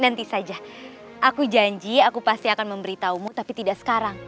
nanti saja aku janji aku pasti akan memberitahumu tapi tidak sekarang